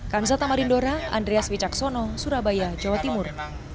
kansata marindora andreas wicaksono surabaya jawa timur